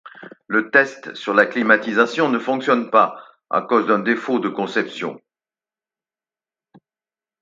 Le test sur la climatisation ne fonctionne pas à cause d'un défaut de conception.